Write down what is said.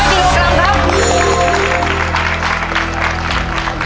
เท่าสาร๑๐๐กิโลกรัมครับ